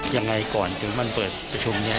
ยังไงก่อนถึงมันเปิดประชุมเนี่ย